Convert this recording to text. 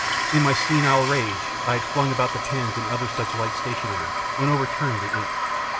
In my senile rage I had flung about the pens and other such light stationery, and overturned the ink.